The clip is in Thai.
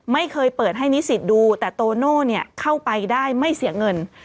ไม่เคยเปิดให้นิสิตดูแต่โตโน่เข้าไปได้ไม่เสียเงิน